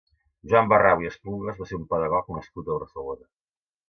Joan Barrau i Esplugues va ser un pedagog nascut a Barcelona.